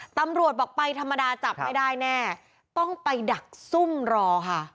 ตำรวจบอกไปธรรมดาจับไม่ได้แน่ต้องไปดักซุ่มรอค่ะ